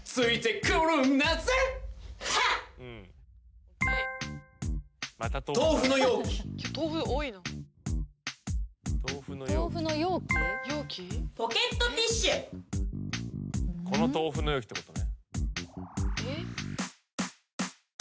この豆腐の容器ってことね。